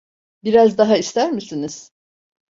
Biraz daha ister misiniz?